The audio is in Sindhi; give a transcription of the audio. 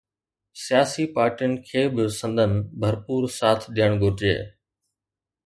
سياسي پارٽين کي به سندن ڀرپور ساٿ ڏيڻ گهرجي.